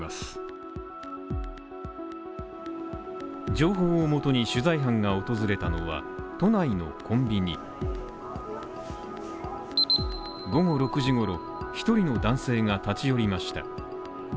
情報をもとに取材班が訪れたのは都内のコンビニ午後６時ごろ、１人の男性が立ち寄りました。